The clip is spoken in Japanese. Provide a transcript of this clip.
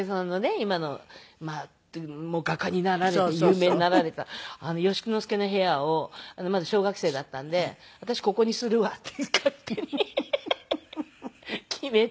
今の画家になられて有名になられたあの善之介の部屋をまだ小学生だったんで「私ここにするわ」って勝手に決めて。